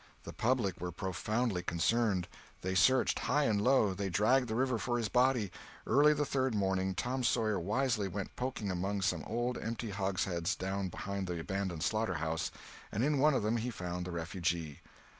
The public were profoundly concerned; they searched high and low, they dragged the river for his body. Early the third morning Tom Sawyer wisely went poking among some old empty hogsheads down behind the abandoned slaughter house, and in one of them he found the refugee.